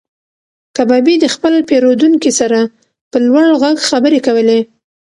کبابي د خپل پیرودونکي سره په لوړ غږ خبرې کولې.